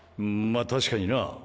まぁ確かにな。